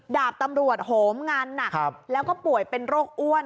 ดาบตำรวจโหมงานหนักแล้วก็ป่วยเป็นโรคอ้วน